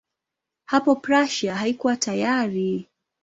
Hapo Prussia haikuwa tayari.